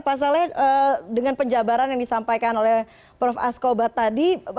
pak saleh dengan penjabaran yang disampaikan oleh prof askobat tadi